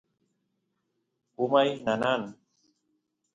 umay nanan